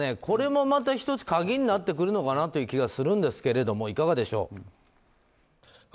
これもまた１つ鍵になってくるのかなという気がするんですがいかがでしょう。